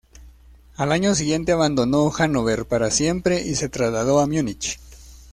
Al año siguiente abandonó Hanóver para siempre y se trasladó a Múnich.